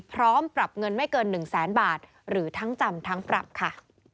พร้อมปรับเงินไม่เกิน๑แสนบาทหรือทั้งจำทั้งปรับค่ะ